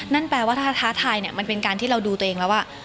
นั่นแปลว่าถ้าท้าทายเนี่ยมันเป็นการที่เราดูตัวเองแล้วว่า